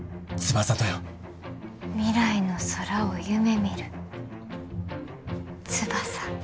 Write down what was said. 未来の空を夢みる翼。